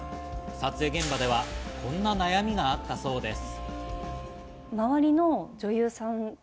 撮影現場ではこんな悩みがあったそうです。